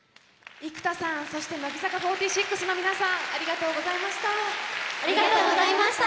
生田さんそして乃木坂４６の皆さんありがとうございました。